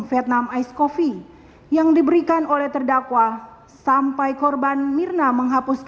vietnam ice coffee yang diberikan oleh teknologi yang berpengaruh pada pemeriksaan terdakwa yang tidak menudah berhati hati dengan kemampuan tersebut